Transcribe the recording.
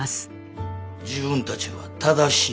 自分たちは正しいとな。